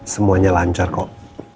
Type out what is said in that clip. semuanya lancar kok